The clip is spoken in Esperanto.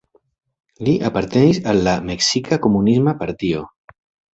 Li apartenis al la Meksika Komunisma Partio.